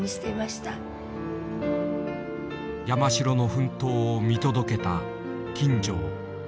山城の奮闘を見届けた金城。